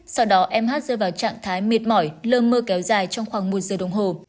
sau đó em hát rơi vào trạng thái mệt mỏi lơ mơ kéo dài trong khoảng một giờ đồng hồ